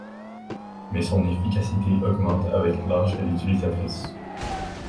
Mais son efficacité augmente avec l'âge de l'utilisatrice.